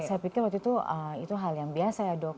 saya pikir waktu itu itu hal yang biasa ya dok